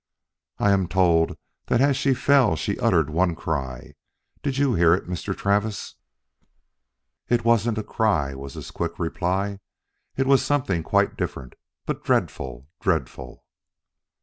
"I am told that as she fell she uttered one cry. Did you hear it, Mr. Travis?" "It wasn't a cry," was his quick reply. "It was something quite different, but dreadful, dreadful!"